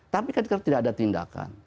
tapi kan tidak ada tindakan